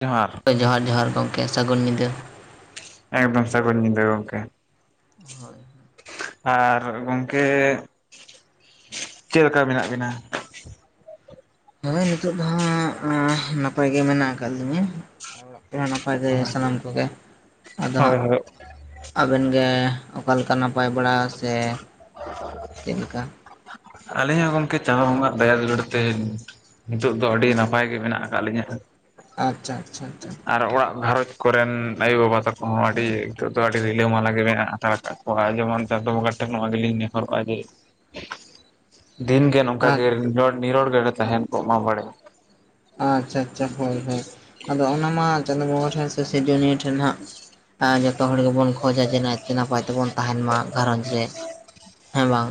ᱡᱚᱦᱟᱨ᱾ ᱡᱚᱦᱟᱨ ᱡᱚᱦᱟᱨ ᱜᱚᱢᱠᱮ, ᱥᱟᱹᱜᱩᱱ ᱧᱤᱫᱟᱹ ᱾ ᱮᱠᱫᱚᱢ ᱥᱟᱹᱜᱩᱱ ᱧᱤᱫᱟᱹ ᱜᱚᱢᱠᱮ‌ ᱾ ᱦᱳᱭ᱾ ᱟᱨ ᱜᱚᱝᱠᱮ ᱪᱮᱫ ᱞᱮᱠᱟ ᱢᱮᱱᱟᱜ ᱵᱤᱱᱟ? ᱦᱳᱭ ᱱᱤᱛᱚᱜ ᱫᱚ ᱦᱟᱜ ᱱᱟᱯᱟᱭ ᱜᱮ ᱢᱮᱱᱟᱜ ᱟᱠᱟᱫ ᱞᱤᱧᱟᱹ ᱟᱨ ᱚᱲᱟᱜ ᱱᱟᱯᱟᱭ ᱜᱮ ᱥᱟᱱᱟᱢ ᱠᱚᱜᱮ, ᱟᱫᱚ ᱦᱳᱭ ᱦᱟᱸᱜ ᱦᱳᱭ ᱟᱵᱮᱱ ᱜᱮ ᱚᱠᱟ ᱞᱮᱠᱟ ᱱᱟᱯᱟᱭ ᱵᱟᱲᱟ ᱥᱮ ᱪᱮᱫ ᱞᱮᱠᱟ ᱟᱞᱤᱮ ᱦᱚᱸ ᱜᱚᱝᱠᱮ ᱪᱟᱸᱫ ᱵᱚᱸᱜᱟ ᱫᱟᱭᱟ ᱫᱩᱞᱟᱹᱲ ᱛᱮ ᱱᱤᱛᱚᱜ ᱫᱚ ᱟᱹᱰᱤ ᱱᱟᱯᱟᱭ ᱜᱮ ᱢᱮᱱᱟᱜ ᱟᱠᱟᱫ ᱞᱤᱧᱟᱹ ᱦᱟᱜ ᱾ ᱟᱪᱪᱷᱟ, ᱟᱪᱪᱷᱟ᱾ ᱟᱪᱪᱷᱟ ᱟᱨ ᱚᱲᱟᱜ ᱜᱷᱟᱨᱚᱸᱡᱽ ᱠᱚᱨᱮᱱ ᱟᱭᱳ ᱵᱟᱵᱟ ᱛᱟᱠᱚ ᱦᱚᱸ ᱟᱹᱰᱤ ᱱᱤᱛᱚᱜ ᱫᱚ ᱟᱹᱰᱤ ᱨᱤᱞᱟᱹ ᱢᱟᱞᱟ ᱜᱮ ᱢᱮᱱᱟᱜ ᱦᱟᱛᱟᱲ ᱠᱟᱜ ᱠᱚᱣᱟ᱾ ᱡᱮᱢᱚᱱ ᱪᱟᱸᱫᱚ ᱵᱚᱸᱜᱟ ᱴᱷᱮᱱ ᱱᱚᱣᱟ ᱜᱮᱞᱤᱧ ᱱᱮᱦᱚᱨᱚᱜᱼᱟ ᱡᱮ ᱫᱤᱱ ᱜᱮ ᱱᱚᱝᱠᱟ ᱜᱮ ᱱᱤᱨᱚᱲ ᱱᱤᱨᱚᱲ ᱜᱮᱞᱮ ᱛᱟᱦᱮᱱ ᱠᱚᱜ ᱢᱟ ᱵᱟᱲᱮ ᱟᱪᱪᱷᱟ ᱟᱪᱪᱷᱟ, ᱦᱳᱭ ᱦᱳᱭ, ᱟᱫᱚ ᱚᱱᱟ ᱢᱟ ᱪᱟᱸᱫᱚ ᱵᱚᱸᱜᱟ ᱴᱷᱮᱱ ᱥᱮ ᱥᱤᱨᱡᱚᱱᱤᱭᱟᱹ ᱴᱷᱮᱱ ᱦᱟᱸᱜ ᱡᱚᱛᱚ ᱦᱚᱲ ᱜᱮᱵᱚᱱ ᱠᱷᱚᱡᱟ ᱡᱮ ᱱᱟᱭ ᱛᱮ ᱱᱟᱯᱟᱭ ᱛᱮᱵᱚᱱ ᱛᱟᱦᱮᱱ ᱢᱟ᱾ ᱜᱷᱟᱨᱚᱸᱡᱽ ᱨᱮ ᱦᱮᱸ ᱵᱟᱝ?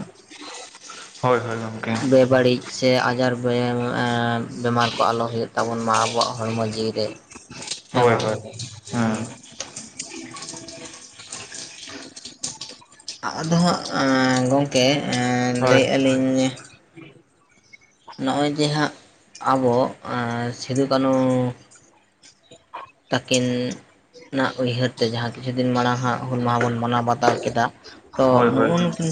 ᱦᱳᱭ, ᱦᱳᱭ, ᱜᱚᱝᱠᱮ᱾ ᱵᱮᱵᱟᱹᱲᱤᱡ ᱥᱮ ᱟᱡᱟᱨ ᱵᱮᱢᱟᱨ ᱠᱚ ᱟᱞᱚ ᱦᱳᱭᱳᱜ ᱛᱟᱵᱚᱱ ᱢᱟ, ᱟᱵᱚᱣᱟᱜ ᱦᱚᱲᱢᱚ ᱡᱤᱣᱤ ᱨᱮ ᱦᱮᱸ ᱦᱳᱭ ᱵᱟᱝ ᱦᱳᱭ, ᱦᱮᱸ᱾ ᱟᱫᱚ ᱦᱟᱸᱜ ᱜᱚᱝᱠᱮ ᱦᱳᱭ ᱞᱟᱹᱭ ᱮᱜ ᱟᱹᱞᱤᱧ, ᱱᱚᱜᱼᱚᱭ ᱡᱮ ᱦᱟᱸᱜ ᱟᱵᱚ ᱥᱤᱫᱩ ᱠᱟᱹᱱᱦᱩ ᱛᱟᱹᱠᱤᱱ ᱚᱱᱟ ᱩᱭᱦᱟᱹᱨ ᱛᱮ, ᱡᱟᱦᱟᱸ ᱠᱤᱪᱷᱩ ᱫᱤᱱ ᱢᱟᱲᱟᱝ ᱦᱟᱸᱜ ᱦᱩᱞ ᱢᱟᱦᱟ ᱵᱚᱱ ᱢᱟᱱᱟᱣ ᱵᱟᱛᱟᱣ ᱠᱮᱫᱟ ᱛᱚ ᱦᱳᱭ ᱦᱳᱭ ᱱᱚᱜᱼᱚᱭ ᱱᱩᱭ ᱱᱩᱠᱤᱱ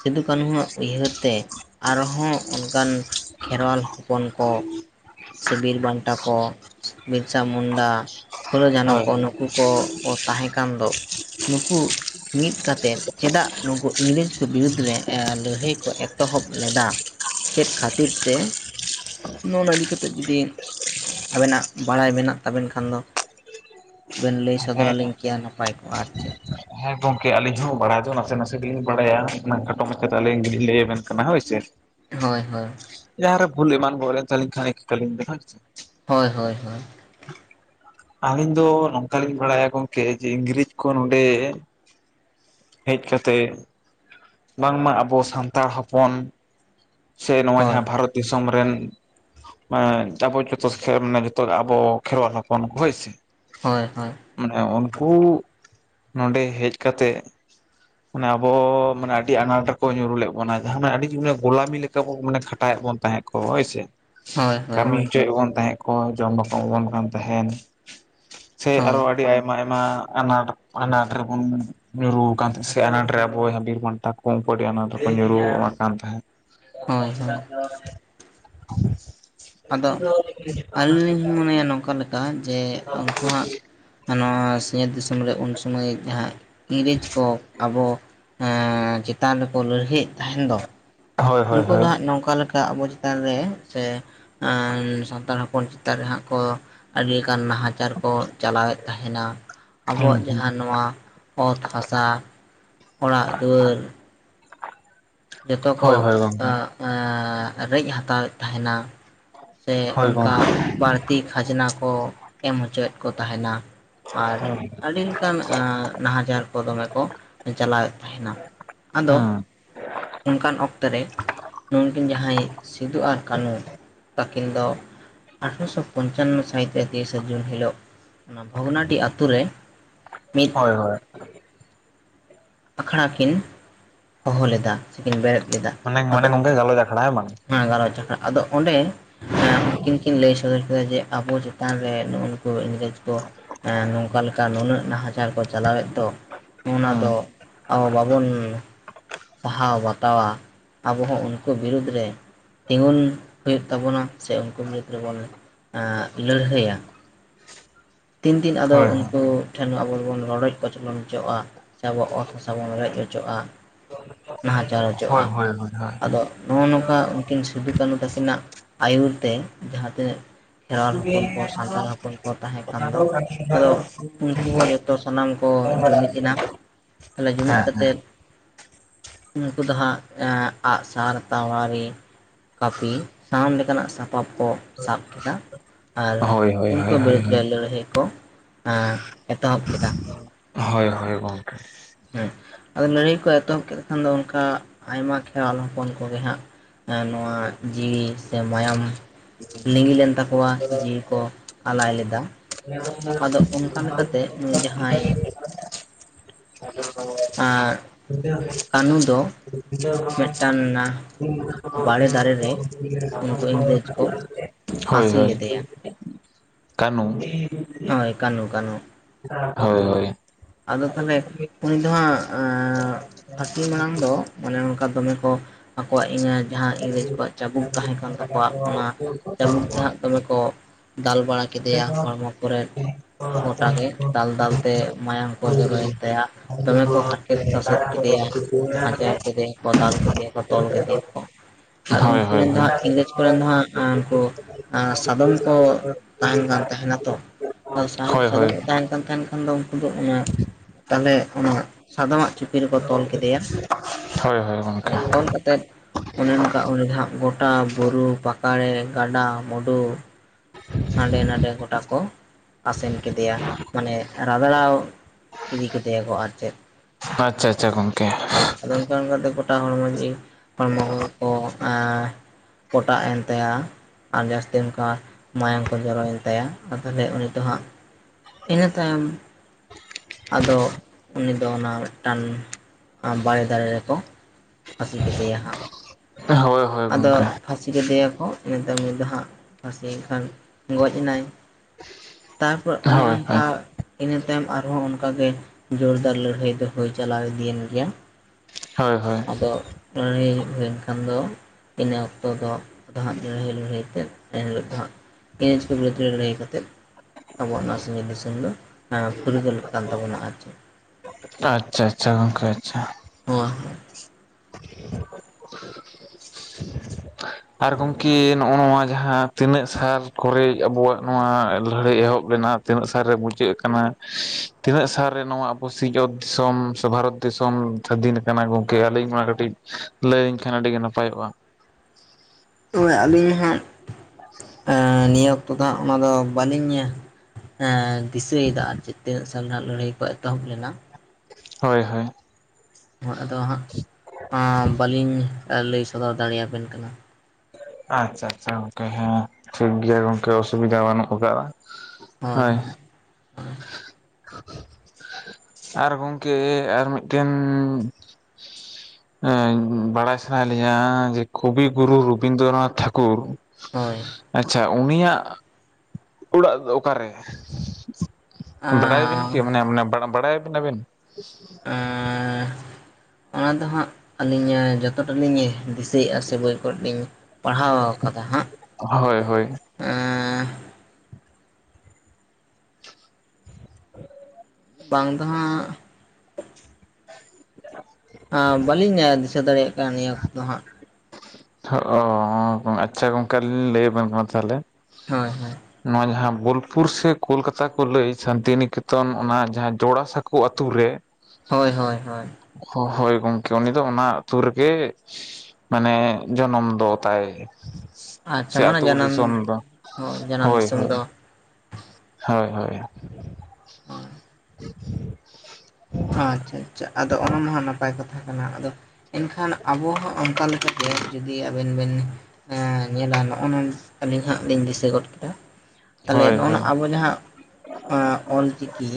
ᱥᱤᱫᱩ ᱠᱟᱹᱱᱦᱩᱣᱟᱜ ᱩᱭᱦᱟᱹᱨ ᱛᱮ, ᱟᱨᱦᱚᱸ ᱚᱱᱠᱟᱱ ᱠᱷᱮᱨᱣᱟᱞ ᱦᱚᱯᱚᱱ ᱠᱚ ᱥᱮ ᱵᱤᱨ-ᱵᱟᱹᱱᱴᱟᱹ ᱠᱚ, ᱵᱤᱨᱥᱟ ᱢᱩᱱᱰᱟ, ᱯᱷᱩᱞᱳ-ᱡᱷᱟᱱᱚ ᱦᱳᱭ ᱠᱚ, ᱱᱩᱠᱩ ᱠᱚ ᱠᱚ ᱛᱟᱦᱮᱸ ᱠᱟᱱ ᱫᱚ᱾ ᱱᱩᱠᱩ ᱢᱤᱫ ᱠᱟᱛᱮ, ᱪᱮᱫᱟᱜ ᱱᱩᱠᱩ ᱤᱝᱨᱮᱡ ᱠᱚ ᱵᱤᱨᱩᱫ ᱨᱮ ᱞᱟᱹᱲᱦᱟᱹᱭ ᱠᱚ ᱮᱛᱚᱦᱚᱵ ᱞᱮᱫᱟ? ᱪᱮᱫ ᱠᱷᱟᱹᱛᱤᱨ ᱛᱮ ᱱᱚᱣᱟ ᱤᱫᱤ ᱠᱟᱛᱮᱫ ᱡᱩᱫᱤ ᱟᱵᱮᱱᱟᱜ ᱵᱟᱲᱟᱭ ᱢᱮᱱᱟᱜ ᱛᱟᱵᱮᱱ ᱠᱷᱟᱱ ᱫᱚ ᱵᱮᱱ ᱞᱟᱹᱭ ᱥᱚᱫᱚᱨ ᱦᱮᱸ ᱟᱹᱞᱤᱧ ᱠᱮᱭᱟ᱾ ᱱᱟᱯᱟᱭ ᱠᱚᱜᱼᱟ, ᱟᱨ ᱪᱮᱫ? ᱦᱮᱸ ᱜᱚᱝᱠᱮ, ᱟᱹᱞᱤᱧ ᱦᱚᱸ ᱵᱟᱲᱟᱭ ᱫᱚ ᱱᱟᱥᱮ ᱱᱟᱥᱮ ᱜᱮᱞᱤᱧ ᱵᱟᱲᱟᱭᱟ᱾ ᱚᱱᱟ ᱠᱷᱟᱹᱴᱚ ᱢᱟᱪᱷᱟ ᱛᱮ, ᱟᱞᱤᱧ ᱜᱮᱞᱤᱧ ᱞᱟᱹᱭ ᱟᱵᱮᱱ ᱠᱟᱱᱟ ᱦᱳᱭ ᱥᱮ? ᱦᱳᱭ, ᱦᱳᱭ᱾ ᱢᱟᱦᱟᱸ ᱨᱮ, ᱵᱷᱩᱞ ᱮᱢᱟᱱ ᱠᱚᱨᱮ ᱛᱟᱹᱞᱤᱧ ᱠᱷᱟᱱ, ᱤᱠᱟᱹ ᱠᱟᱞᱤᱧ ᱵᱤᱱ ᱦᱳᱭ ᱥᱮ᱾ ᱦᱳᱭ ᱦᱳᱭ ᱦᱳᱭ᱾ ᱟᱹᱞᱤᱧ ᱫᱚ ᱱᱚᱝᱠᱟᱞᱤᱧ ᱵᱟᱲᱟᱭᱟ ᱜᱚᱢᱠᱮ, ᱡᱮ ᱤᱝᱨᱮᱡ ᱠᱚ ᱱᱚᱰᱮ ᱦᱮᱡ ᱠᱟᱛᱮ ᱵᱟᱝᱢᱟ ᱟᱵᱚ ᱥᱟᱱᱛᱟᱲ ᱦᱚᱯᱚᱱ, ᱥᱮ ᱱᱚᱣᱟ ᱦᱳᱭ ᱡᱟᱦᱟᱸ ᱵᱷᱟᱨᱚᱛ ᱫᱤᱥᱚᱢ ᱨᱮᱱ ᱮᱸ ᱟᱵᱚ ᱡᱚᱛᱚ ᱥᱮᱜ, ᱢᱟᱱᱮ ᱡᱷᱚᱛᱚ ᱟᱵᱚ ᱠᱷᱮᱨᱣᱟᱞ ᱦᱚᱯᱚᱱ ᱦᱳᱭ ᱥᱮ᱾ ᱦᱚᱭ ᱦᱚᱭ᱾ ᱢᱟᱱᱮ ᱩᱱᱠᱩ ᱱᱚᱰᱮ ᱦᱮᱡ ᱠᱟᱛᱮᱜ ᱢᱟᱱᱮ ᱟᱵᱚ ᱢᱟᱱᱮ ᱟᱹᱰᱤ ᱟᱱᱟᱴ ᱨᱮᱠᱚ ᱧᱩᱨᱩ ᱞᱮᱜ ᱵᱚᱱᱟ᱾ ᱡᱟᱦᱟᱸᱱᱟᱜ ᱟᱹᱰᱤ ᱡᱩᱨᱟ ᱜᱚᱞᱟ ᱠᱟᱹᱢᱤ ᱞᱮᱠᱟ ᱵᱚ ᱢᱟᱱᱮ ᱠᱷᱟᱴᱟᱣᱮᱜ ᱵᱚᱱ ᱛᱟᱦᱮᱸᱜ ᱠᱚ ᱦᱳᱭ ᱥᱮ, ᱦᱳᱭ ᱦᱳᱭ ᱠᱟᱹᱢᱤ ᱦᱚᱪᱚᱭᱮᱜ ᱵᱚᱱ ᱛᱟᱦᱮᱸᱜ ᱠᱚ, ᱡᱚᱢ ᱵᱟᱠᱚ ᱮᱢᱟᱵᱚᱱ ᱠᱟᱱ ᱛᱟᱦᱮᱸᱱ᱾ ᱥᱮ ᱦᱳᱭ ᱟᱨᱚ ᱟᱹᱰᱤ ᱟᱭ ᱟᱭᱢᱟ ᱟᱭᱢᱟ ᱟᱱᱟᱴ ᱟᱱᱟᱴ ᱨᱮᱵᱚᱱ ᱧᱩᱨᱩ ᱠᱟᱱ ᱛᱟᱦᱮᱸᱱ, ᱥᱮ ᱟᱱᱟᱴᱨᱮ ᱟᱵᱚᱭ ᱦᱟᱹ ᱵᱤᱨ-ᱵᱟᱱᱴᱟ ᱩᱝᱠᱩ ᱟᱹᱰᱤ ᱟᱱᱟᱢ ᱨᱮᱠᱚ ᱧᱩᱨᱩᱣ ᱟᱠᱟᱱ ᱛᱟᱦᱮᱸᱫ᱾ ᱦᱳᱭ ᱦᱳᱭ [unintelligible] ᱟᱫᱚ ᱟᱹᱞᱤᱧ ᱞᱤᱧ ᱢᱚᱱᱮᱭᱟ, ᱱᱚᱝᱠᱟ ᱞᱮᱠᱟ ᱡᱮ ᱩᱝᱠᱩ ᱦᱟᱸᱜ ᱚᱱᱟ ᱥᱤᱧᱚᱛ ᱫᱤᱥᱚᱢ ᱨᱮ, ᱩᱱ ᱥᱩᱢᱚᱭ ᱡᱟᱦᱟᱸ ᱤᱝᱨᱮᱡ ᱠᱚ ᱟᱵᱚ ᱮᱸ ᱪᱮᱛᱟᱱ ᱨᱮᱠᱚ ᱞᱟᱹᱲᱦᱟᱹᱭᱮᱫ ᱛᱟᱦᱮᱸᱱ ᱫᱚ, ᱦᱳᱭ ᱦᱳᱭ ᱩᱱᱠᱩ ᱦᱳᱭ ᱫᱚ ᱦᱟᱸᱜ ᱱᱚᱝᱠᱟ ᱞᱮᱠᱟ ᱠᱟᱜ ᱟᱵᱚ ᱪᱮᱛᱟᱱ ᱨᱮ ᱥᱮ ᱮᱸ ᱥᱟᱱᱛᱟᱲ ᱦᱚᱯᱚᱱ ᱪᱮᱛᱟᱱ ᱨᱮ ᱦᱟᱸᱜ ᱠᱚ ᱟᱹᱰᱤ ᱞᱮᱠᱟᱱ ᱱᱟᱦᱟᱸᱪᱟᱨ ᱠᱚ ᱪᱟᱞᱟᱣᱮᱜ ᱛᱟᱦᱮᱸᱱᱟ, ᱦᱩᱸ ᱟᱵᱚᱣᱟᱜ ᱦᱩᱸ ᱡᱟᱦᱟᱸ ᱱᱚᱣᱟ ᱚᱛ ᱦᱟᱥᱟ, ᱚᱲᱟᱜ ᱫᱩᱣᱟᱹᱨ ᱡᱚᱛᱚ ᱠᱚ ᱦᱳᱭ ᱦᱳᱭ ᱜᱚᱝᱠᱮ ᱮᱸ ᱨᱮᱡ ᱦᱟᱛᱟᱣᱮᱫ ᱛᱟᱦᱮᱸᱱᱟ᱾ ᱥᱮ ᱦᱳᱭ ᱚᱱᱠᱟ ᱜᱚᱝᱠᱮ ᱵᱟᱹᱲᱛᱤ ᱠᱷᱟᱡᱱᱟ ᱠᱚ ᱮᱢ ᱦᱚᱪᱚᱭᱮᱫ ᱠᱚ ᱛᱟᱦᱮᱸᱱᱟ᱾ ᱟᱨ ᱟᱹᱰᱤ ᱞᱮᱠᱟᱱ ᱱᱟᱦᱟᱪᱟᱨ ᱠᱚ ᱫᱚᱢᱮ ᱠᱚ ᱪᱟᱞᱟᱣᱮᱫ ᱛᱟᱦᱮᱸᱱᱟ᱾ ᱟᱫᱚ ᱦᱩᱸ ᱚᱱᱠᱟᱱ ᱚᱠᱛᱚ ᱨᱮ, ᱱᱩᱝᱠᱤᱱ ᱡᱟᱦᱟᱸᱭ ᱥᱤᱫᱩ ᱟᱨ ᱠᱟᱹᱱᱩ, ᱛᱟᱹᱠᱤᱱ ᱫᱚ ᱟᱴᱷᱨᱚᱥᱚ ᱯᱚᱧᱪᱟᱱᱱᱚ ᱥᱟᱹᱦᱤᱛ ᱨᱮ ᱛᱤᱨᱤᱥᱟ ᱡᱩᱱ ᱦᱤᱞᱳᱜ ᱚᱱᱟ ᱵᱷᱚᱜᱽᱱᱟᱰᱤ ᱟᱛᱩ ᱨᱮ ᱢᱤᱫ ᱦᱳᱭ ᱦᱳᱭ᱾ ᱟᱠᱷᱲᱟ ᱠᱤᱱ ᱦᱚᱦᱚ ᱞᱮᱫᱟ ᱥᱮᱠᱤᱱ ᱵᱮᱨᱮᱫ ᱞᱮᱫᱟ ᱚᱱᱮ ᱢᱟᱱᱮ ᱟᱫᱚ ᱱᱚᱰᱮᱮ ᱜᱟᱞᱚᱪ ᱟᱠᱷᱲᱟ ᱦᱮᱸᱵᱟᱝ? ᱦᱮᱸ ᱜᱟᱞᱚᱪ ᱟᱠᱷᱲᱟ ᱟᱫᱚ ᱚᱸᱰᱮ ᱦᱮᱸ ᱩᱱᱠᱤᱱ ᱠᱤᱱ ᱞᱟᱹᱭ ᱥᱚᱫᱚᱨ ᱡᱮ ᱟᱵᱚ ᱪᱮᱛᱟᱱ ᱨᱮ ᱱᱩᱜᱼᱩ ᱱᱩᱠᱩ ᱤᱝᱨᱮᱡᱽ ᱠᱚ ᱮᱸ ᱱᱚᱝᱠᱟ ᱞᱮᱠᱟ ᱱᱩᱱᱟᱹᱜ ᱱᱟᱦᱟᱪᱟᱨ ᱠᱚ ᱪᱟᱞᱟᱣᱮᱫ ᱫᱚ ᱱᱚᱜᱼᱱᱟ ᱦᱩᱸ ᱫᱚ ᱟᱵᱚ ᱵᱟᱵᱚᱱ ᱥᱟᱦᱟᱣ ᱵᱟᱛᱟᱣᱟ ᱟᱵᱚ ᱦᱚᱸ ᱩᱱᱠᱩ ᱵᱤᱨᱩᱫᱽ ᱨᱮ ᱛᱤᱸᱜᱩᱱ ᱦᱩᱭᱩᱜ ᱛᱟᱵᱚᱱᱟ ᱥᱮ ᱩᱱᱠᱩ ᱵᱤᱨᱫ ᱨᱮᱵᱚᱱ ᱮᱸᱫ ᱞᱟᱹᱲᱦᱟᱹᱭᱟ᱾ ᱛᱤᱱ ᱫᱤᱱ ᱟᱫᱚ ᱦᱳᱭ ᱦᱳᱭ ᱩᱱᱠᱩ ᱴᱷᱮᱱ ᱦᱚᱸ ᱟᱵᱚ ᱵᱚᱱ ᱨᱚᱰᱚᱡ ᱠᱚᱪᱞᱚᱱ ᱦᱚᱪᱚᱜᱼᱟ ᱥᱮ ᱟᱵᱚᱣᱟᱜ ᱚᱛ ᱦᱟᱥᱟ ᱵᱚᱱ ᱨᱮᱡ ᱦᱚᱪᱚᱜᱼᱟ? ᱱᱟᱦᱟᱪᱟᱨ ᱦᱳᱭ ᱦᱚᱪᱚᱜᱼᱟ, ᱦᱳᱭ ᱦᱳᱭ ᱦᱳᱭ ᱟᱫᱚ ᱱᱚᱜᱼ ᱱᱚᱝᱠᱟ ᱩᱱᱠᱤᱱ ᱥᱤᱫᱩ ᱠᱟᱹᱱᱩ ᱛᱟᱹᱠᱤᱱᱟᱜ ᱟᱹᱭᱩᱨ ᱛᱮ, ᱡᱟᱦᱟᱸ ᱛᱤᱱᱟᱹᱜ ᱠᱷᱮᱨᱣᱟᱞ ᱦᱚᱯᱚᱱ ᱠᱚ ᱥᱟᱱᱛᱟᱲ ᱦᱚᱯᱚᱱ ᱠᱚ ᱛᱟᱦᱮᱸ ᱠᱟᱱ ᱫᱚ ᱟᱫᱚ ᱩᱱᱠᱩ ᱡᱷᱚᱛᱚ ᱥᱟᱱᱟᱢ ᱠᱚ ᱡᱩᱢᱤᱫ ᱮᱱᱟ᱾ ᱛᱟᱦᱚᱞᱮ ᱡᱩᱢᱤᱫ ᱠᱟᱛᱮᱫ [inaudible] ᱩᱱᱠᱩ ᱫᱚ ᱦᱟᱸᱜ ᱟᱸᱜᱼᱥᱟᱨ, ᱛᱟᱣᱟᱨᱤ ᱠᱟᱹᱯᱤ ᱥᱟᱱᱟᱢ ᱞᱮᱠᱟᱱᱟᱜ ᱥᱟᱯᱟᱵ ᱠᱚ ᱥᱟᱵ ᱠᱮᱫᱟ, ᱟᱨ ᱦᱳᱭ ᱦᱳᱭ ᱦᱳᱭ ᱩᱱᱠᱩ ᱦᱳᱭ ᱵᱤᱨᱩᱫᱽ ᱦᱳᱭ ᱨᱮ ᱞᱟᱹᱲᱦᱟᱹᱭ ᱠᱚ ᱮᱜ ᱮᱛᱚᱦᱚᱵ ᱠᱮᱫᱟ ᱾ ᱦᱚᱭ ᱦᱚᱭ ᱜᱚᱝᱠᱮ ᱾ ᱦᱮᱸ ᱟᱫᱚ ᱞᱟᱹᱲᱦᱟᱭ ᱠᱚ ᱮᱛᱚᱦᱚᱵ ᱠᱮᱫ ᱠᱷᱟᱱ ᱫᱚ ᱚᱱᱠᱟ ᱟᱭᱢᱟ ᱠᱷᱮᱣᱟᱞ ᱦᱚᱯᱚᱱ ᱠᱚᱜᱮ ᱦᱟᱸᱜᱼᱼ ᱟᱨ ᱱᱚᱣᱟ ᱡᱤᱣᱤ ᱥᱮ ᱢᱟᱭᱟᱢᱼᱼ ᱞᱤᱸᱜᱤ ᱞᱮᱱ ᱛᱟᱠᱚᱣᱟ, ᱡᱤᱣᱤ ᱠᱚ ᱟᱞᱟᱭ ᱞᱮᱫᱟ ᱾ ᱦᱮᱸᱼᱵᱟᱝᱠᱷᱟᱱ [unintelligible] ᱟᱫᱚ ᱚᱱᱠᱟ ᱞᱮᱠᱟᱛᱮ ᱱᱩᱭ ᱡᱟᱦᱟᱸᱭᱼᱼ ᱟ [unintelligible] ᱮᱻ [unintelligible] ᱢᱤᱫᱴᱟᱱ ᱵᱟᱲᱮ ᱫᱟᱨᱮ ᱡᱟᱦᱟᱭ ᱨᱮ ᱩᱱᱠᱩ ᱤᱝᱨᱮᱡᱽ ᱠᱚ [unintelligible] ᱦᱚᱭ ᱯᱷᱟᱸᱥᱤ ᱦᱚᱭ ᱞᱮᱫᱮᱭᱟ ᱠᱟᱹᱱᱩ ᱠᱤᱱᱼᱼ ᱦᱚᱭ ᱠᱟᱹᱱᱩ ᱠᱟᱹᱱᱩ ᱾ ᱦᱚᱭ ᱾ ᱟᱫᱚ ᱛᱟᱦᱚᱞᱮ ᱩᱱᱤ ᱫᱚ ᱦᱟᱸᱜ ᱮᱻ ᱯᱷᱟᱹᱥᱤ ᱢᱟᱲᱟᱝ ᱫᱚ ᱚᱱᱮ ᱚᱱᱠᱟ ᱫᱚᱢᱮ ᱠᱚ ᱟᱠᱚᱣᱟᱜ ᱤᱧᱟᱜ ᱡᱟᱦᱟᱸ ᱤᱝᱨᱮᱡᱽ ᱠᱚᱣᱟᱜ ᱪᱟᱵᱩᱠ ᱛᱟᱦᱮᱸ ᱠᱟᱱ ᱛᱟᱠᱚᱣᱟ ᱚᱱᱟ ᱡᱟᱹᱵᱩᱠ ᱛᱮ ᱦᱟᱸᱜ ᱫᱚᱢᱮ ᱠᱚ ᱫᱟᱞ ᱵᱟᱲᱟ ᱠᱮᱫᱮᱭᱟ ᱦᱚᱲᱢᱚ ᱠᱚᱨᱮᱫ ᱾ ᱜᱚᱴᱟ ᱜᱮ ᱫᱟᱞ ᱫᱟᱞ ᱛᱮ ᱢᱟᱭᱟᱢ ᱠᱚ ᱡᱚᱨᱚᱭᱮᱫ ᱛᱟᱭᱟ, ᱫᱚᱢᱮ ᱠᱚ ᱦᱟᱨᱠᱮᱛ ᱥᱟᱥᱮᱛ ᱠᱮᱫᱮᱭᱟ ᱾ ᱵᱷᱟᱡᱟ ᱠᱮᱫᱮᱭᱟ ᱠᱚ ᱫᱟᱞ ᱠᱮᱫᱮᱭᱟ ᱠᱚ ᱛᱚᱞ ᱠᱮᱫᱮᱭᱟ ᱠᱚ, ᱟᱨ ᱦᱳᱭ ᱩᱱᱠᱩ ᱦᱳᱭ ᱦᱳᱭ ᱨᱮᱱ ᱫᱚ ᱦᱟᱸᱜ ᱤᱝᱨᱮᱡᱽ ᱠᱚᱨᱮᱱ ᱫᱚ ᱦᱟᱸᱜ ᱩᱱᱠᱩᱼᱼ ᱦᱟᱸ ᱥᱟᱫᱚᱢ ᱠᱚ ᱛᱟᱦᱮᱱ ᱠᱟᱱ ᱛᱟᱦᱮᱱᱟ ᱛᱚ ᱾ ᱟᱫᱚ ᱥᱟᱦᱮᱵ ᱦᱳᱭ ᱦᱳᱭ ᱥᱟᱫᱚᱢ ᱠᱚ ᱛᱟᱦᱮᱱ ᱠᱟᱱ ᱛᱟᱦᱮᱱ ᱠᱷᱟᱱ ᱫᱚ ᱩᱱᱠᱩ ᱫᱚ ᱚᱱᱟᱜᱼᱼ ᱛᱟᱦᱚᱞᱮ ᱚᱱᱟ ᱥᱟᱫᱚᱢᱟᱜ ᱪᱩᱯᱤ ᱨᱮᱠᱚ ᱛᱚᱞ ᱠᱮᱫᱮᱭᱟᱼᱼ ᱦᱳᱭ ᱦᱳᱭ ᱜᱚᱢᱠᱮ ᱟᱫᱚ ᱛᱚᱞ ᱠᱟᱛᱮᱫᱼᱼ ᱚᱱᱮ ᱚᱱᱠᱟ ᱩᱱᱤᱫᱚ ᱦᱟᱜ ᱜᱚᱴᱟ ᱵᱩᱨᱩ ᱯᱟᱠᱟᱲᱮ ᱜᱟᱰᱟ ᱢᱩᱰᱩᱼᱼ ᱦᱟᱸᱰᱮ ᱱᱟᱰᱮ ᱜᱚᱴᱟ ᱠᱚ ᱟᱥᱮᱱ ᱠᱮᱫᱮᱭᱟ ᱢᱟᱱᱮ ᱨᱟᱫᱲᱟᱣᱼᱼ ᱤᱫᱤ ᱠᱮᱫᱮᱭᱟ ᱠᱚ ᱟᱨ ᱪᱮᱫ ᱾ ᱟᱪᱪᱷᱟ ᱟᱪᱪᱷᱟ ᱜᱚᱝᱠᱮ ᱾ ᱟᱫᱚ ᱚᱱᱠᱟ ᱚᱱᱠᱟᱛᱮ ᱜᱚᱴᱟ ᱦᱚᱲᱢᱚ ᱡᱤᱣᱤ ᱦᱚᱲᱢᱚ ᱠᱚᱠᱚ ᱟᱸᱻ ᱯᱚᱴᱟᱜ ᱮᱱ ᱛᱟᱭᱟ ᱾ ᱟᱨ ᱡᱟᱹᱥᱛᱤ ᱚᱱᱠᱟ ᱢᱟᱭᱟᱝ ᱠᱚ ᱡᱚᱨᱚᱭᱮᱱ ᱛᱟᱭᱟ ᱟᱨ ᱛᱟᱦᱚᱞᱮ ᱩᱱᱤ ᱫᱚ ᱦᱟᱸᱜᱼᱼ ᱤᱱᱟᱹ ᱛᱟᱭᱚᱢ ᱟᱫᱚ ᱩᱱᱤ ᱫᱚ ᱚᱱᱟ ᱢᱤᱫ ᱴᱟᱝᱼᱼ ᱵᱟᱲᱮ ᱫᱟᱨᱮ ᱨᱮᱠᱚ ᱯᱟᱹᱥᱤ ᱠᱮᱫᱮᱭᱟ ᱦᱟᱸᱜ ᱾ ᱦᱚᱭ ᱦᱚᱭ ᱾ ᱟᱫᱚ ᱯᱷᱟᱥᱤ ᱠᱮᱫᱮᱭᱟ ᱠᱚ ᱤᱱᱟᱹ ᱛᱟᱭᱚᱢ ᱩᱱᱤ ᱫᱚ ᱦᱟᱸᱜᱼᱼ ᱯᱷᱟᱥᱤᱭᱮᱱ ᱠᱷᱟᱱ ᱜᱚᱡ ᱮᱱᱟᱭ, ᱛᱟᱨᱯᱚᱨ ᱚᱱᱮ ᱦᱳᱭ ᱦᱳᱭ ᱚᱱᱠᱟᱼᱼ ᱤᱱᱟᱹ ᱛᱟᱭᱚᱢ ᱟᱨᱦᱚᱸ ᱚᱱᱠᱟ ᱜᱮ ᱡᱳᱨᱫᱟᱨ ᱞᱟᱹᱲᱦᱟᱹᱭ ᱫᱚ ᱠᱚ ᱪᱟᱞᱟᱣ ᱤᱫᱤᱭᱮᱱ ᱜᱮᱭᱟ ᱾ ᱦᱳᱭ ᱦᱳᱭ ᱟᱫᱚ ᱞᱟᱹᱲᱦᱟᱹᱭ ᱦᱩᱭ ᱮᱱ ᱠᱷᱟᱱ ᱫᱚᱼᱼ ᱤᱱᱟᱹ ᱚᱠᱛᱚ ᱫᱚ, ᱫᱚ ᱦᱟᱸᱜ ᱞᱟᱹᱲᱦᱟᱹᱭ ᱞᱟᱹᱲᱦᱟᱹᱭ ᱛᱮ ᱮᱱ ᱦᱤᱞᱳᱜ ᱫᱚ ᱦᱟᱸᱜᱼᱼ ᱤᱸᱝᱨᱮᱡᱽ ᱠᱚ ᱵᱤᱨᱩᱫ ᱨᱮ ᱞᱟᱹᱲᱦᱟᱹᱭ ᱠᱟᱛᱮᱫᱼᱼ ᱟᱵᱚᱣᱟᱜ ᱱᱚᱣᱟ ᱥᱤᱧᱚᱛ ᱫᱤᱥᱚᱢ ᱫᱚ ᱯᱷᱩᱨᱜᱟᱹᱞᱚᱜ ᱠᱟᱱ ᱛᱟᱵᱚᱱᱟ ᱟᱨ ᱪᱮᱫ ᱾ ᱟᱪᱪᱷᱟ ᱟᱪᱪᱷᱟ ᱜᱚᱝᱠᱮ ᱟᱪᱪᱷᱟ ᱾ ᱦ [unintelligible] ᱟᱨ ᱜᱚᱢᱠᱮ ᱱᱚᱜᱼᱚ ᱱᱚᱣᱟ ᱡᱟᱦᱟᱸᱼᱼ ᱛᱤᱱᱟᱹᱜ ᱥᱟᱞ ᱠᱚᱨᱮ ᱟᱵᱚᱣᱟᱜ ᱱᱚᱣᱟ ᱞᱟᱹᱲᱦᱟᱹᱭ ᱮᱦᱚᱵ ᱞᱮᱱᱟ ᱛᱤᱱᱟᱹᱜ ᱥᱟᱞᱨᱮ ᱢᱩᱪᱟᱹᱜ ᱠᱟᱱᱟ ᱾ ᱛᱤᱱᱟᱹᱜ ᱥᱟᱞ ᱨᱮ ᱱᱚᱣᱟ ᱟᱵᱚ ᱥᱤᱧᱚᱛ ᱫᱤᱥᱚᱢ ᱥᱮ ᱵᱷᱟᱨᱚᱛ ᱫᱤᱥᱚᱢ ᱥᱟᱹᱫᱷᱤᱱ ᱠᱟᱱᱟ ᱜᱚᱢᱠᱮ ᱟᱹᱞᱤᱧ ᱢᱟ ᱠᱟᱹᱴᱤᱡ ᱞᱟᱹᱭᱟᱹᱧ ᱠᱷᱟᱱ ᱟᱹᱰᱤ ᱜᱮ ᱱᱟᱯᱟᱭᱚᱜᱼᱟ᱾ [unintelligible] ᱟᱹᱞᱤᱧ ᱦᱟᱸᱜ ᱱᱤᱭᱟᱹ ᱚᱠᱛᱚ ᱫᱚ ᱦᱟᱸᱜ ᱚᱱᱟ ᱫᱚ ᱵᱟᱹᱞᱤᱧ ᱮᱸ ᱫᱤᱥᱟᱹᱭᱮᱫᱟ ᱟᱨ ᱪᱮᱫ ᱛᱤᱱᱟᱹᱜ ᱥᱟᱞ ᱨᱮ ᱱᱟᱜ ᱞᱟᱹᱲᱦᱟᱹᱭ ᱠᱚ ᱮᱛᱚᱦᱚᱵ ᱞᱮᱱᱟ ᱾ ᱦᱳᱭ-ᱦᱳᱭ ᱦᱚᱸ ᱟᱫᱚ ᱦᱟᱸᱜ ᱮᱸ ᱵᱟᱹᱞᱤᱧ ᱞᱟᱹᱭ ᱥᱚᱫᱚᱨ ᱫᱟᱲᱮᱭᱟᱵᱮᱱ ᱠᱟᱱᱟ᱾ ᱟᱪᱪᱷᱟ-ᱟᱪᱪᱷᱟ ᱜᱚᱝᱠᱮ ᱦᱮᱸ ᱴᱷᱤᱠ ᱜᱮᱭᱟ ᱜᱚᱝᱠᱮ ᱚᱥᱩᱵᱤᱫᱷᱟ ᱵᱟᱹᱱᱩᱜ ᱟᱠᱟᱫᱟ᱾ ᱦᱳᱭ ᱦᱳᱭ ᱟᱨ ᱜᱚᱝᱠᱮ ᱟᱨ ᱢᱤᱫᱴᱮᱱ ᱮᱸ ᱵᱟᱲᱟᱭ ᱥᱟᱱᱟᱭᱮᱫ ᱞᱤᱧᱟ ᱡᱮ ᱠᱚᱵᱤ ᱜᱩᱨᱩ ᱨᱚᱵᱤᱱᱫᱨᱚᱱᱟᱛᱷ ᱴᱷᱟᱹᱠᱩᱨ ᱦᱳᱭ ᱟᱪᱪᱷᱟ ᱩᱱᱤᱭᱟᱜ ᱚᱲᱟᱜ ᱚᱠᱟᱨᱮ? ᱵᱟᱲᱟᱭ ᱵᱤᱱ ᱠᱤ ᱦᱳᱭ ᱢᱟᱱᱮ ᱢᱟᱱᱮ ᱵᱟᱲᱟ ᱵᱟᱲᱟᱭᱟᱵᱮᱱ ᱟᱵᱮᱱ᱾ ᱚᱱᱟ ᱫᱚ ᱦᱟᱸᱜ ᱟᱹᱞᱤᱧ ᱡᱚᱛᱚᱴᱟ ᱞᱤᱧ ᱫᱤᱥᱟᱹᱭᱮᱫᱼᱟ ᱥᱮ ᱵᱳᱭ ᱠᱚᱨᱮ ᱞᱤᱧ ᱯᱟᱲᱦᱟᱣ ᱟᱠᱟᱫᱟ ᱦᱟᱸᱜ᱾ ᱦᱳᱭ - ᱦᱳᱭ [unintelligible] ᱵᱟᱝ ᱫᱚ ᱦᱟᱸᱜ᱾ ᱟᱸ ᱵᱟᱹᱞᱤᱧ ᱫᱤᱥᱟᱹ ᱫᱟᱲᱮᱭᱟᱜ ᱠᱟᱱᱟ ᱱᱤᱭᱟᱹ ᱚᱠᱛᱚ ᱫᱚ ᱦᱟᱸᱜ᱾ ᱟᱪᱪᱷᱟ ᱜᱚᱝᱠᱮ ᱟᱹᱞᱤᱧ ᱞᱤᱧ ᱞᱟᱹᱭ ᱟᱵᱮᱱ ᱠᱟᱱᱟ ᱛᱟᱦᱚᱞᱮ᱾ ᱦᱳᱭ-ᱦᱳᱭ ᱱᱚᱣᱟ ᱡᱟᱦᱟᱸ ᱵᱳᱞᱯᱩᱨ ᱥᱮ ᱠᱳᱞᱠᱟᱛᱟ ᱠᱚ ᱞᱟᱹᱭ ᱥᱟᱱᱛᱤᱱᱤᱠᱮᱛᱚᱱ ᱚᱱᱟ ᱡᱟᱦᱟᱸ ᱡᱚᱲᱟ ᱥᱟ ᱠᱩ ᱟᱹᱛᱳ ᱨᱮ᱾ ᱦᱳᱭ ᱦᱳᱭ ᱦᱳᱭ ᱦᱳᱭ ᱜᱚᱢᱠᱮ ᱩᱱᱤ ᱫᱚ ᱚᱱᱟ ᱟᱹᱛᱩ ᱨᱮᱜᱮ ᱢᱟᱱᱮ ᱡᱚᱱᱚᱢ ᱫᱚ ᱛᱟᱭ ᱟᱪᱪᱷᱟ ᱥᱮ ᱢᱟᱱᱮ ᱟᱹᱛᱩ ᱚᱲᱟᱜ ᱫᱤᱥᱚᱢ ᱡᱟᱱᱟᱢ ᱫᱚ ᱡᱟᱱᱟᱢ ᱦᱳᱭ ᱫᱤᱥᱚᱢ ᱦᱳᱭ᱾ ᱫᱚ ᱦᱳᱭ ᱦᱳᱭ ᱟᱪᱪᱷᱟ ᱟᱪᱪᱷᱟ ᱟᱫᱚ ᱚᱱᱟ ᱢᱟ ᱱᱟᱯᱟᱭ ᱠᱟᱛᱷᱟ ᱠᱟᱱᱟ ᱟᱫᱚ ᱮᱱᱠᱷᱟᱱ ᱟᱵᱚ ᱦᱚᱸ ᱚᱱᱠᱟ ᱞᱮᱠᱟᱛᱮ ᱡᱩᱫᱤ ᱟᱵᱤᱱ ᱵᱤᱱ ᱮᱸ ᱧᱮᱞᱟ ᱱᱚᱜᱼᱚ ᱱᱚᱸ ᱟᱹᱞᱤᱧ ᱦᱟᱸᱜ ᱞᱤᱧ ᱫᱤᱥᱟᱹ ᱜᱚᱫ ᱠᱮᱫᱟ᱾ ᱛᱟᱦᱚᱞᱮ ᱦᱳᱭ ᱱᱚᱜᱼᱚ ᱱᱟ ᱦᱳᱭ ᱟᱵᱚ ᱡᱟᱦᱟᱸ ᱚᱞ ᱪᱤᱠᱤ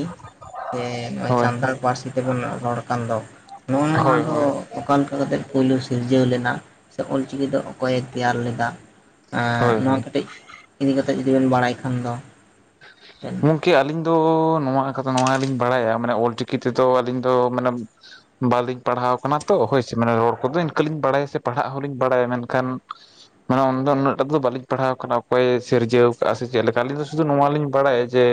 ᱥᱮ ᱱᱚᱜᱼᱚᱭ ᱦᱳᱭ ᱦᱳᱭ ᱥᱟᱱᱛᱟᱲ ᱯᱟᱹᱨᱥᱤ ᱛᱮᱵᱚᱱ ᱨᱚᱲ ᱠᱟᱱ ᱫᱚ ᱱᱚᱜᱼᱚ ᱱᱚᱣᱟ ᱦᱳᱭ ᱫᱚ ᱦᱳᱭ ᱚᱠᱟ ᱞᱮᱠᱟ ᱠᱟᱛᱮᱜ ᱯᱳᱭᱞᱳ ᱥᱤᱨᱡᱟᱹᱣ ᱞᱮᱱᱟ ᱥᱮ ᱚᱞ ᱪᱤᱠᱤ ᱫᱚ ᱚᱠᱚᱭᱮ ᱛᱮᱭᱟᱨ ᱞᱮᱫᱟ ᱾ ᱟᱨ ᱱᱚᱣᱟ ᱦᱳᱭ ᱠᱟᱹᱴᱤᱡ ᱤᱫᱤ ᱠᱟᱛᱮᱜ ᱡᱩᱫᱤ ᱵᱮᱱ ᱵᱟᱲᱟᱭ ᱠᱷᱟᱱ ᱫᱚ [unintelligible] ᱵᱮᱱ [unintelligible] ᱟᱹᱞᱤᱧ ᱫᱚ ᱱᱚᱣᱟ [unintelligible] ᱱᱚᱣᱟ ᱜᱮ ᱞᱤᱧ ᱵᱟᱲᱟᱭᱟ ᱢᱟᱱᱮ ᱚᱞᱪᱤᱠᱤ ᱛᱮᱫᱚ ᱟᱹᱞᱤᱧ ᱫᱚ ᱢᱟᱱᱮ ᱵᱟᱹᱞᱤᱧ ᱯᱟᱲᱦᱟᱣ ᱠᱟᱱᱟ ᱛᱚ ᱦᱳᱭ ᱥᱮ ᱢᱟᱱᱮ ᱨᱚᱲ ᱠᱚᱫᱚ ᱤᱱᱠᱟᱹ ᱞᱤᱧ ᱵᱟᱲᱟᱭᱟ ᱥᱮ ᱯᱟᱲᱦᱟᱜ ᱦᱚᱸᱞᱤᱧ ᱵᱟᱲᱟᱭᱟ ᱢᱮᱱ ᱠᱷᱟᱱ ᱢᱟᱱᱮ ᱩᱱ ᱫᱚ ᱩᱱᱟᱹᱜ ᱴᱟᱜ ᱫᱚ ᱵᱟᱹᱞᱤᱧ ᱯᱟᱲᱦᱟᱣ ᱠᱟᱱᱟ ᱚᱠᱚᱭ [unintelligible] ᱮ ᱥᱤᱨᱡᱟᱹᱣ ᱟᱠᱟᱜ-ᱟ ᱥᱮ ᱪᱮᱫ ᱞᱮᱠᱟ ᱟᱹᱞᱤᱧ ᱫᱚ [unintelligible] ᱱᱚᱣᱟ ᱞᱤᱧ ᱵᱟᱲᱟᱭᱟ ᱡᱮ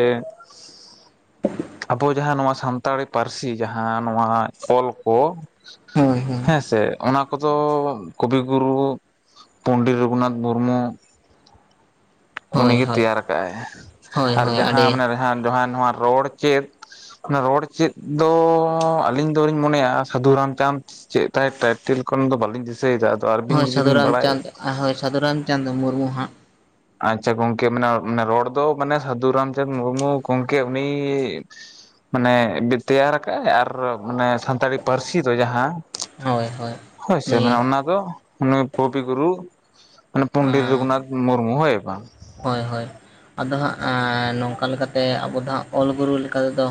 ᱟᱵᱚ ᱡᱟᱦᱟᱸ ᱱᱚᱣᱟ ᱥᱟᱱᱛᱟᱲᱤ ᱯᱟᱹᱨᱥᱤ ᱡᱟᱦᱟᱸ ᱱᱚᱣᱟ ᱚᱞ ᱠᱚ ᱦᱳᱭ ᱦᱳᱭ ᱦᱮᱸ ᱥᱮ ᱚᱱᱟ ᱠᱚᱫᱚ ᱠᱚᱵᱤ ᱜᱩᱨᱩ ᱯᱚᱸᱱᱰᱤᱛ ᱨᱚᱸᱜᱷᱩᱱᱟᱛᱷ ᱢᱩᱨᱢᱩ ᱩᱱᱤ ᱦᱳᱭ ᱜᱮ ᱦᱳᱭ ᱛᱮᱭᱟᱨ ᱟᱠᱟᱜᱼᱟᱭ ᱦᱳᱭ ᱟᱨ ᱦᱳᱭ ᱡᱟᱦᱟᱸ ᱟᱹᱰᱤ ᱢᱟᱱᱮ [unintelligible] ᱡᱟᱦᱟᱸ ᱱᱚᱣᱟ ᱨᱚᱲ ᱪᱮᱫ ᱦᱮᱸ, ᱨᱚᱲ ᱪᱮᱫ ᱫᱚᱻ ᱟᱹᱞᱤᱧ ᱫᱚ ᱞᱤᱧ ᱢᱚᱱᱮᱭᱟ ᱥᱟᱹᱫᱷᱩ ᱨᱟᱢᱪᱟᱸᱫᱽ ᱪᱮᱫ ᱛᱟᱭ ᱴᱟᱭᱴᱮᱹᱞ ᱠᱚ ᱚᱱᱟ ᱫᱚ ᱵᱟᱞᱤᱧ ᱫᱤᱥᱟᱹᱭ ᱫᱤᱥᱟᱹᱭ ᱫᱟ ᱟᱫᱚ ᱟᱨ ᱦᱳᱭ ᱥᱟᱹᱫᱷᱩ ᱨᱟᱢᱪᱟᱸᱫᱽ, ᱦᱳᱭ ᱥᱟᱹᱫᱷᱩ ᱨᱟᱢᱪᱟᱸᱫᱽ ᱢᱩᱨᱢᱩ ᱦᱟᱸᱜ᱾ ᱟᱪᱪᱷᱟ ᱜᱚᱝᱠᱮ ᱢᱟᱱᱮ, ᱢᱟᱱᱮ ᱨᱚᱲ ᱫᱚ ᱢᱟᱱᱮ ᱥᱟᱹᱫᱷᱩ ᱨᱟᱢᱪᱟᱸᱫᱽ ᱢᱩᱨᱢᱩ ᱜᱚᱝᱠᱮ ᱩᱱᱤᱻ ᱢᱟᱱᱮ ᱢᱤᱫ ᱛᱮᱭᱟᱨ ᱠᱟᱜ-ᱟᱭ ᱟᱨ ᱢᱟᱱᱮ ᱥᱟᱱᱛᱟᱲᱤ ᱯᱟᱹᱨᱥᱤ ᱫᱚ ᱡᱟᱦᱟᱸ ᱦᱳᱭ ᱥᱮ ᱱᱩᱭ ᱢᱟᱱᱮ ᱚᱱᱟ ᱫᱚ ᱢᱟᱱᱮ ᱠᱚᱵᱤ ᱜᱩᱨᱩ, ᱢᱟᱱᱮ ᱯᱚᱱᱰᱤᱛ ᱨᱚᱜᱷᱩᱱᱟᱛᱷ ᱢᱩᱨᱢᱩ ᱦᱳᱭ ᱵᱟᱝ? ᱦᱳᱭ ᱦᱳᱭ ᱟᱫᱚ ᱦᱟᱸᱜ ᱟᱸᱻ ᱱᱚᱝᱠᱟ ᱞᱮᱠᱟᱛᱮ ᱟᱵᱚ ᱫᱚ ᱦᱟᱸᱜ ᱚᱞ ᱜᱩᱨᱩ ᱞᱮᱠᱟ ᱛᱮᱫᱚ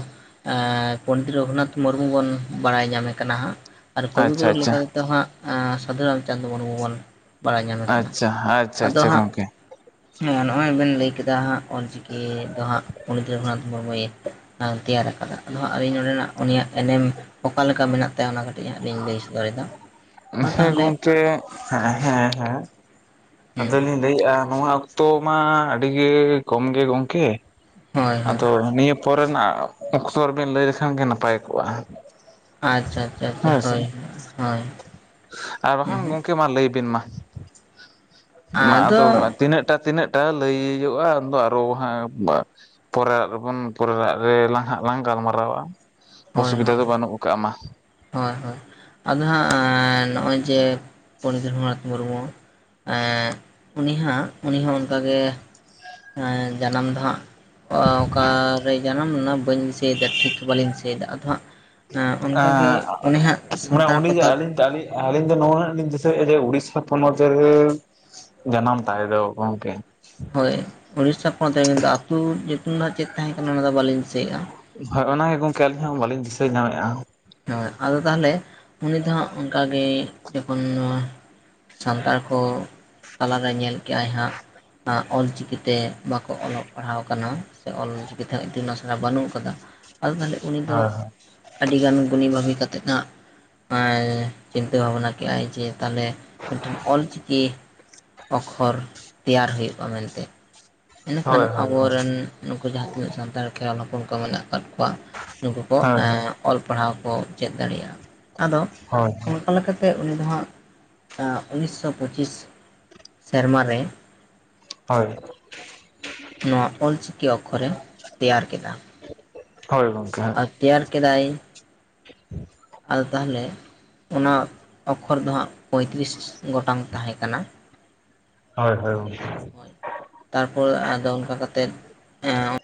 ᱮᱸᱻ ᱯᱚᱱᱰᱤᱛ ᱨᱚᱜᱷᱩᱱᱟᱛᱷ ᱢᱩᱨᱢᱩ ᱵᱚᱱ ᱵᱟᱲᱟᱭ ᱧᱟᱢᱮ ᱠᱟᱱᱟ ᱦᱟᱸᱜ᱾ ᱟᱨ ᱠᱚᱵᱤ ᱟᱪᱪᱷᱟ ᱜᱩᱨᱩ ᱟᱪᱪᱷᱟ ᱞᱮᱠᱟ ᱛᱮᱫᱚ ᱦᱟᱸᱜ ᱟᱸ ᱥᱟᱹᱫᱷᱩ ᱨᱟᱢᱪᱟᱸᱫᱽ ᱢᱩᱨᱢᱩ ᱵᱚᱱ ᱵᱟᱲᱟᱭ ᱧᱟᱢᱮ ᱠᱟᱱᱟ᱾ ᱟᱪᱪᱷᱟ ᱟᱪᱪᱷᱟ ᱟᱫᱚ ᱟᱪᱪᱷᱟ ᱦᱟᱸᱜ ᱜᱚᱝᱠᱮ ᱦᱮᱸ ᱱᱚᱜ-ᱚᱭ ᱵᱮᱱ ᱞᱟᱹᱭ ᱠᱮᱫᱟ ᱦᱟᱸᱜ ᱚᱞᱪᱤᱠᱤ ᱫᱚ ᱦᱟᱸᱜ ᱯᱚᱱᱰᱤᱛ ᱨᱚᱜᱷᱩᱱᱟᱛᱷ ᱢᱩᱨᱢᱩᱭ ᱮᱸ, ᱛᱮᱭᱟᱨ ᱟᱠᱟᱫᱟ᱾ ᱟᱫᱚ ᱦᱟᱸᱜ ᱟᱹᱞᱤᱧ ᱱᱚᱸᱰᱮᱱᱟᱜ ᱩᱱᱤᱭᱟᱜ ᱮᱱᱮᱢ ᱚᱠᱟ ᱞᱮᱠᱟ ᱢᱮᱱᱟᱜ ᱛᱟᱭᱟ ᱚᱱᱟ ᱠᱟ ᱠᱟᱹᱴᱤᱡ ᱦᱟᱸᱜ ᱞᱤᱧ ᱞᱟᱹᱭ ᱥᱚᱫᱚᱨ ᱮᱫᱟ, ᱢᱟ ᱦᱮᱸ ᱛᱟᱦᱞᱮ ᱜᱚᱝᱠᱮ ᱟᱫᱚ ᱞᱤᱧ ᱞᱟᱹᱭᱮᱜ-ᱟ ᱱᱚᱣᱟ ᱚᱠᱛᱚ ᱢᱟ ᱟᱹᱰᱤ ᱜᱮ ᱠᱚᱢ ᱜᱮ ᱜᱚᱝᱠᱮ᱾ ᱦᱳᱭ ᱦᱳᱭ ᱟᱫᱚ ᱱᱤᱭᱟᱹ ᱯᱚᱨᱮ ᱱᱟᱜ ᱚᱠᱛᱚ ᱨᱮᱵᱤᱱ ᱞᱟᱹᱭ ᱞᱮᱠᱷᱟᱱ ᱜᱮ ‌ᱱᱟᱯᱟᱭ ᱠᱚᱜ-ᱟ᱾ ᱟᱪᱪᱷᱟ ᱪᱷᱟ ᱪᱷᱟ ᱪᱷᱟ, ᱦᱳᱭ ᱦᱳᱭ᱾ ᱟᱨ ᱵᱟᱠᱷᱟᱱ ᱜᱚᱝᱠᱮ ᱢᱟ ᱞᱟᱹᱭ ᱵᱤᱱ ᱢᱟ, ᱢᱟ ᱟᱫᱚ ᱛᱤᱱᱟᱹᱜ ᱴᱟ ᱛᱤᱱᱟᱹᱜ ᱴᱟ ᱞᱟᱹᱭᱚᱜ-ᱟ ᱩᱱᱫᱚ ᱟᱨᱚ ᱦᱟᱸᱜ ᱢᱟ ᱯᱚᱨᱮᱨᱟᱜ ᱨᱮᱵᱚᱱ, ᱯᱚᱨᱮᱨᱟᱜ ᱨᱮ ᱞᱟᱝ ᱦᱟᱸᱜ ᱞᱟᱝ ᱜᱟᱞ ᱢᱟᱨᱟᱣᱟ, ᱦᱳᱭ ᱚᱥᱤᱵᱤᱫᱷᱟ ᱦᱳᱭ ᱫᱚ ᱵᱟᱹᱱᱩᱜ ᱟᱠᱟᱜ-ᱟ ᱢᱟ᱾ ᱦᱳᱭ ᱦᱳᱭ, ᱟᱫᱚ ᱦᱟᱸᱜ ᱱᱚᱜ-ᱚᱭ ᱡᱮ ᱯᱚᱱᱰᱤᱛ ᱨᱚᱜᱷᱩᱱᱟᱛᱷ ᱢᱩᱨᱢᱩ ᱮᱸᱜ, ᱩᱱᱤ ᱦᱟᱸᱜ ᱩᱱᱤ ᱦᱚᱸ ᱚᱱᱠᱟ ᱜᱮ ᱮᱸᱻ ᱡᱟᱱᱟᱢ ᱫᱚ ᱦᱟᱸᱜ ᱚ-ᱚᱠᱟ ᱨᱮ ᱡᱟᱱᱟᱢ ᱞᱮᱱᱟ ᱵᱟᱹᱧ ᱫᱤᱥᱟᱹ ᱫᱤᱥᱟᱹᱭᱫᱟ ᱴᱷᱤᱠ ᱵᱟᱹᱞᱤᱧ ᱫᱤᱥᱟᱹᱭᱫᱟ, ᱟᱫᱚ ᱦᱟᱸᱜ ᱮᱸ ᱚᱱᱠᱟ ᱜᱮ ᱩᱱᱤ ᱦᱟᱸᱜ ᱥᱟᱱᱛᱟᱲ ᱠᱚᱛᱟ ᱫᱟᱲᱮᱭᱟᱜ-ᱟ, ᱟᱹᱞᱤᱧ ᱫᱚ ᱱᱚᱣᱟ ᱦᱟᱸᱜ ᱞᱤᱧ ᱫᱤᱥᱟᱹᱭᱮᱜ-ᱟ ᱡᱮ ᱩᱲᱤᱥᱥᱟ ᱯᱚᱱᱚᱛ ᱨᱮ ᱡᱟᱱᱟᱢ ᱛᱟᱭ ᱫᱚ ᱜᱚᱝᱠᱮ᱾ ᱦᱳᱭ ᱩᱲᱤᱥᱥᱟ ᱯᱚᱱᱚᱛ ᱨᱮ ᱠᱤᱱᱛᱩ ᱟᱹᱛᱩ ᱧᱩᱛᱩᱢ ᱫᱚ ᱦᱟᱸᱜ ᱪᱮᱫ ᱛᱟᱦᱮᱸ ᱠᱟᱱᱟ ᱚᱱᱟ ᱫᱚ ᱵᱟᱹᱞᱤᱧ ᱫᱤᱥᱟᱹᱭᱮᱜ-ᱟ᱾ ᱦᱳᱭ ᱚᱱᱟ ᱜᱮ ᱜᱚᱝᱠᱮ ᱟᱹᱞᱤᱧ ᱦᱚᱸ ᱵᱟᱹᱞᱤᱧ ᱫᱤᱥᱟᱹ ᱧᱟᱢᱮᱜ-ᱟ᱾ ᱦᱮᱸ ᱟᱫᱚ ᱛᱟᱦᱞᱮ ᱩᱱᱤ ᱫᱚ ᱦᱟᱸᱜ ᱚᱝᱠᱟᱜᱮ ᱡᱚᱠᱷᱚᱱ ᱥᱟᱱᱛᱟᱲ ᱠᱚ ᱛᱟᱞᱟᱨᱮ ᱧᱮᱞ ᱠᱮᱜ-ᱟᱭ ᱦᱟᱸᱜ ᱟᱸ, ᱚᱞᱪᱤᱠᱤ ᱛᱮ ᱵᱟᱠᱚ ᱚᱞᱚᱜ ᱯᱟᱲᱦᱟᱣ ᱠᱟᱱᱟ ᱥᱮ ᱚᱞᱪᱤᱠᱤ ᱛᱮᱦᱚᱸ ᱤᱛᱩᱱ ᱟᱥᱲᱟ ᱵᱟᱹᱱᱩᱜ ᱠᱟᱫᱟ᱾ ᱟᱫᱚ ᱛᱟᱦᱞᱮ ᱩᱱᱤ ᱫᱚ ᱦᱳᱭ ᱦᱳᱭ ᱟᱹᱰᱤ ᱜᱟᱱ ᱜᱩᱱᱤ ᱵᱷᱟᱹᱵᱤ ᱠᱟᱛᱮᱫ ᱦᱟᱸᱜ ᱟᱸᱭ ᱪᱤᱱᱛᱟᱹ ᱵᱷᱟᱵᱱᱟ ᱠᱮᱜ-ᱟᱭ ᱡᱮ ᱛᱟᱦᱞᱮ ᱢᱤᱫᱴᱤᱱ ᱚᱞᱪᱤᱠᱤ ᱚᱠᱠᱷᱚᱨ ᱛᱮᱭᱟᱨ ᱦᱩᱭᱩᱜ-ᱟ ᱢᱮᱱᱛᱮ᱾ ᱢᱮᱱᱠᱷᱟᱱ ᱦᱳᱭ ᱦᱳᱭ ᱟᱵᱚ ᱜᱚᱢᱠᱮ ᱨᱮᱱ ᱱᱩᱠᱩ ᱡᱟᱦᱟ ᱛᱤᱱᱟᱹᱜ ᱥᱟᱱᱛᱟᱲ ᱠᱷᱮᱨᱣᱟᱞ ᱦᱚᱯᱚᱱ ᱠᱚ ᱢᱮᱱᱟᱜ ᱟᱠᱟᱫ ᱠᱚᱣᱟ ᱱᱩᱠᱩ ᱠᱚ ᱦᱳᱭ ᱮᱸ, ᱚᱞ ᱯᱟᱲᱦᱟᱣ ᱠᱚ ᱪᱮᱫ ᱫᱟᱲᱮᱭᱟᱜ-ᱟ᱾ ᱟᱫᱚ ᱦᱳᱭ ᱚᱱᱠᱟ ᱞᱮᱠᱟ ᱛᱮ ᱩᱱᱤ ᱫᱚ ᱦᱟᱸᱜ ᱮᱸ, ᱩᱱᱤᱥ ᱴᱥᱚ ᱯᱚᱸᱪᱤᱥ ᱥᱮᱨᱢᱟ ᱨᱮ ᱦᱳᱭ᱾ ᱱᱚᱣᱟ ᱚᱞᱪᱤᱠᱤ ᱚᱠᱠᱷᱚᱨᱮ ᱛᱮᱭᱟᱨ ᱠᱮᱫᱟ᱾ ᱦᱳᱭ ᱜᱚᱝ ᱟᱨ ᱛᱮᱭᱟᱨ ᱠᱮᱫᱟᱭ᱾ ᱟᱨ ᱛᱟᱦᱞᱮ ᱚᱱᱟ ᱚᱠᱠᱷᱚᱨ ᱫᱚ ᱦᱟᱸᱜ ᱯᱚᱸᱭᱛᱨᱤᱥ ᱜᱚᱴᱟᱝ ᱛᱟᱦᱮᱸ ᱠᱟᱱᱟ᱾ ᱦᱳᱭ ᱦᱳᱭ ᱜᱚᱝᱠᱮ᱾ ᱦᱚᱭ, ᱛᱟᱨᱯᱚᱨ ᱟᱫᱚ ᱚᱱᱠᱟ ᱠᱟᱛᱮᱫ ᱮᱸ